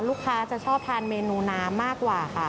ลูกค้าจะชอบทานเมนูน้ำมากกว่าค่ะ